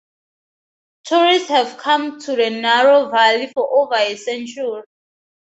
Tourists have come to the narrow valley for over a century.